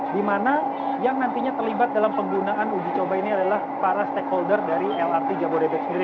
di mana yang nantinya terlibat dalam penggunaan uji coba ini adalah para stakeholder dari lrt jabodebek sendiri